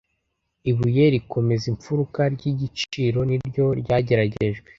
ibuye rikomeza impfuruka ry’igiciro ni ryo ryageragejwe